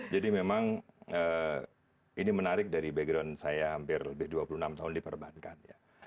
jadi memang ini menarik dari background saya hampir lebih dua puluh enam tahun di perbankan